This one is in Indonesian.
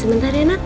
sebentar ya nak